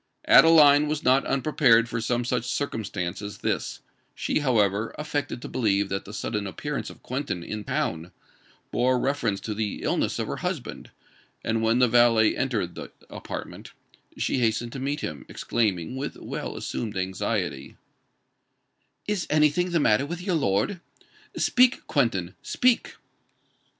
Adeline was not unprepared for some such circumstance as this; she however affected to believe that the sudden appearance of Quentin in town bore reference to the illness of her husband; and when the valet entered the apartment, she hastened to meet him, exclaiming, with well assumed anxiety, "Is any thing the matter with your lord? Speak, Quentin—speak!"